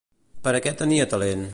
Per a què tenia talent?